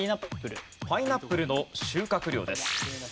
パイナップルの収穫量です。